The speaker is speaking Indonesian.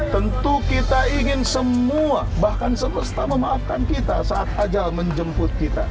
tentu kita ingin semua bahkan semesta memaafkan kita saat ajal menjemput kita